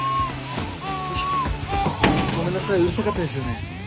ごめんなさいうるさかったですよね。